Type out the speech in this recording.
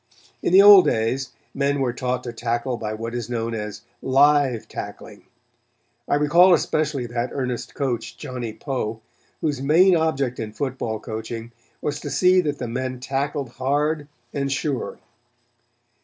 In the old days men were taught to tackle by what is known as "live tackling." I recall especially that earnest coach, Johnny Poe, whose main object in football coaching was to see that the men tackled hard and sure.